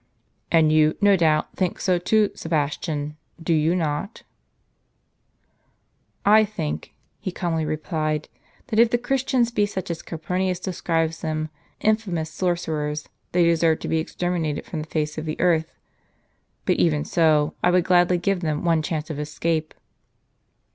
"And you, no doubt, think so too, Sebastian ; do you not? "" I think," he calmly replied, " that if the Christians be such as Calpurnius describes them, infamous sorcerers, they desei've to be exterminated from the face of the earth. But even so, I would gladly give them one chance of escape."